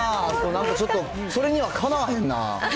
なんかちょっと、それにはかなわへんな。